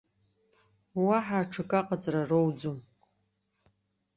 Уаҳа аҽакы аҟаҵаха роуӡом.